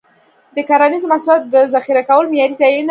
د کرنیزو محصولاتو د ذخیره کولو معیاري ځایونه باید وي.